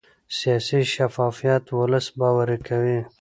سیاسي شفافیت ولس باوري کوي